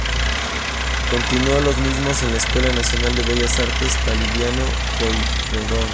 Continuó los mismos en la Escuela Nacional de Bellas Artes Prilidiano Pueyrredón.